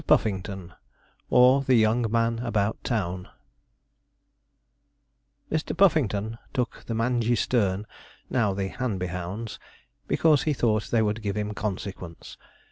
PUFFINGTON; OR THE YOUNG MAN ABOUT TOWN Mr. Puffington took the Mangeysterne, now the Hanby hounds, because he thought they would give him consequence.